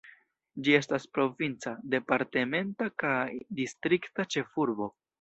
Ĝi estas provinca, departementa ka distrikta ĉefurbo.